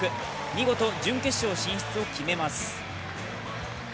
見事準決勝進出を決めます。